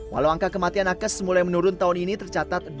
walau angka kematian nakes mulai menurun tahun ini tercatat